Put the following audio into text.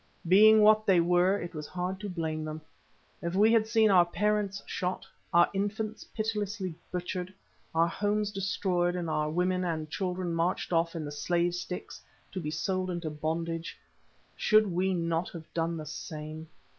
Being what they were, it was hard to blame them. If we had seen our parents shot, our infants pitilessly butchered, our homes destroyed and our women and children marched off in the slave sticks to be sold into bondage, should we not have done the same?